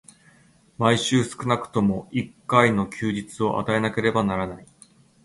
毎週少くとも一回の休日を与えなければならない。